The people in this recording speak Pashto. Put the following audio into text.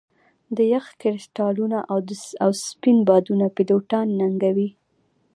د یخ کرسټالونه او سپین بادونه پیلوټان ننګوي